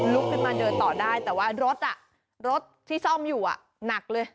ลุกขึ้นมาเดินต่อได้แต่ว่ารถรถที่ซ่อมอยู่หนักเลย